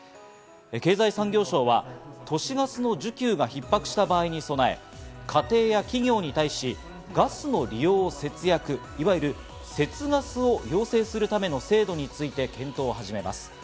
経済産業省は都市ガスの需給がひっ迫した場合に備え、家庭や企業に対しガスの利用の節約いわゆる節ガスを要請するための制度について検討を始めます。